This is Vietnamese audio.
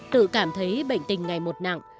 tự cảm thấy bệnh tình ngày một nặng